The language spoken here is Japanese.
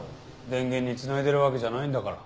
電源に繋いでるわけじゃないんだから。